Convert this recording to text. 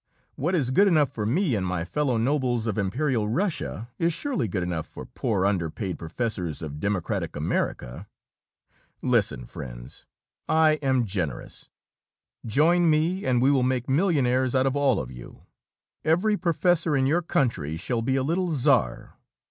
What is good enough for me and my fellow nobles of Imperial Russia is surely good enough for poor, under paid professors of democratic America. Listen, friends I am generous. Join me and we will make millionaires out of all of you. Every professor in your country shall be a little czar.